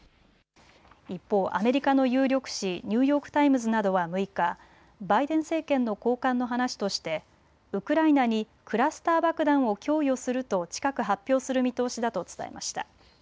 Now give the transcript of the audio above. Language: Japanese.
一方、アメリカの有力紙、ニューヨーク・タイムズなどは６日、バイデン政権の高官の話としてウクライナにクラスター爆弾を供与すると近く発表する見通しだと伝えました。